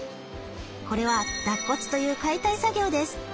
これは脱骨という解体作業です。